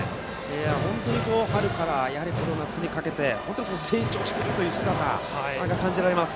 本当に春から夏にかけて成長している姿が感じられます。